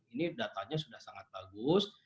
ini datanya sudah sangat bagus